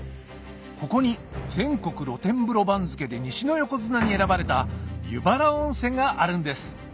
ここに全国露天風呂番付で西の横綱に選ばれた湯原温泉があるんです